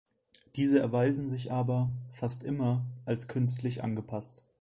Diese erweisen sich aber, fast immer, als künstlich angepasst.